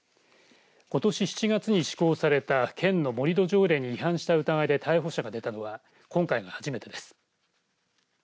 ことし７月に施行された県の盛り土条例違反した疑いで逮捕者が出たのは今回が初めてです。